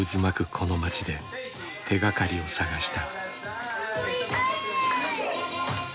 この街で手がかりを探した。